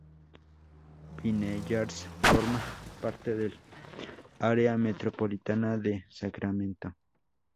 Vineyard forma parte del área metropolitana de Sacramento.